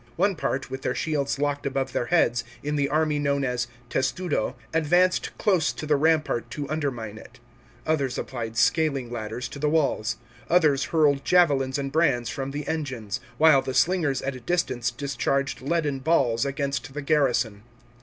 One part, with their shields locked above their heads, in the army known as testudot advanced close to the rampart to undermine it ; others applied scaling ladders to the walls; others hurled javelins and brands from the engines ; while the slingers at a distance discharged leaden balls against the garrison.